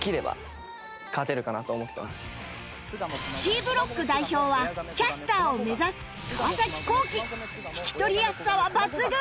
Ｃ ブロック代表はキャスターを目指す川皇輝聞き取りやすさは抜群！